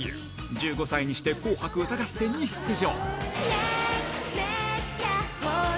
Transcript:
１５歳にして紅白歌合戦に出場。